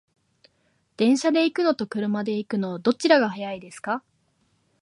電車で行くのと車で行くの、どちらが早いですか？